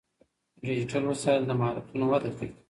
ډیجیټل وسایل د مهارتونو وده کوي.